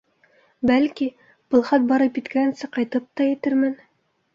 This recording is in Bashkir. Бәлки, был хат барып еткәнсе ҡайтып та етермен.